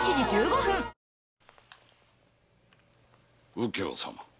右京様。